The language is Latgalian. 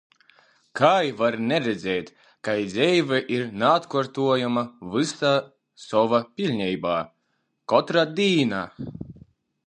Kai var naredzēt, ka dzeive ir naatkuortojama vysā sovā piļneibā? Kotra dīna!